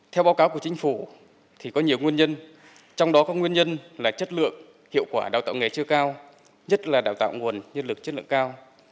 theo báo cáo của chính phủ có nhiều nguyên nhân trong đó có nguyên nhân là chất lượng hiệu quả đào tạo nghề chưa cao nhất là đào tạo nguồn nhân lực chất lượng cao